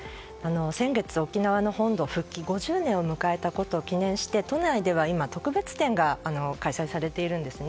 先月、沖縄の本土復帰５０年を迎えたことを記念して都内では今、特別展が開催されているんです。